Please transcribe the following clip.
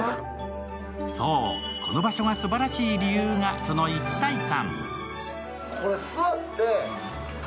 そう、この場所がすばらしい理由が、その一体感。